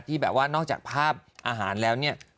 ที่แบบว่านอกจากภาพอาหารแล้วเนี่ย